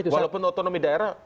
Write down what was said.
walaupun otonomi daerah